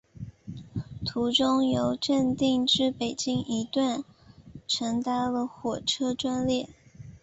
途中由正定至北京一段乘搭了火车专列。